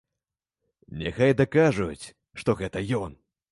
Няхай дакажуць, што гэта ён.